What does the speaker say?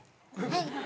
はい。